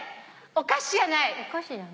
お菓子じゃない。